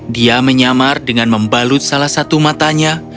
dia menyamar dengan membalut salah satu matanya